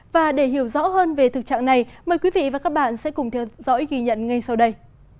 và để hiểu rõ hơn về thực trạng này mời quý vị và các bạn sẽ cùng theo dõi ghi nhận ngay sau đây